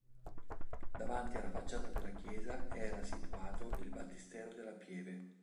Davanti alla facciata della chiesa era situato il Battistero della pieve.